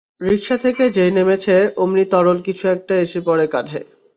রিকশা থেকে যেই নেমেছে, অমনি তরল কিছু একটা এসে পড়ে কাঁধে।